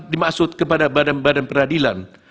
dimaksud kepada badan badan peradilan